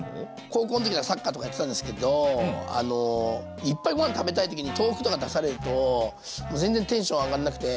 高校の時にはサッカーとかやってたんですけどいっぱいご飯食べたい時に豆腐とか出されると全然テンション上がんなくて。